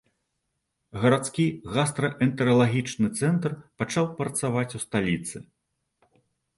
Гарадскі гастраэнтэралагічны цэнтр пачаў працаваць у сталіцы.